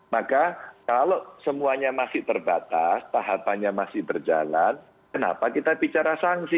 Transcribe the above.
maka kalau semuanya masih terbatas tahapannya masih berjalan kenapa kita bicara sanksi